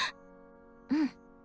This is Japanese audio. うん。